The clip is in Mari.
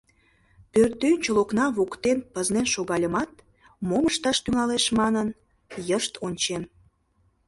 Пӧртӧнчыл окна воктен пызнен шогальымат, мом ышташ тӱҥалеш манын, йышт ончем.